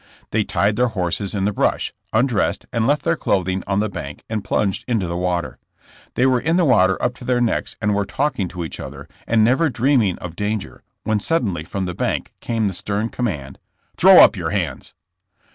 They tied their horses in the brush, undressed and left their clothing on the bank and plunged into the water. They were in the water up to their necks and were talking to each other, and never dreaming of danger, v/hen suddenly from the bank came the stern command: Throw up your hands.''